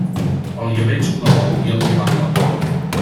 El llebeig la mou i el llevant la plou.